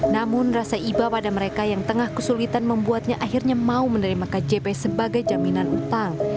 namun rasa iba pada mereka yang tengah kesulitan membuatnya akhirnya mau menerima kjp sebagai jaminan utang